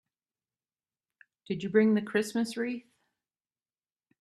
Did you bring the Christmas wreath?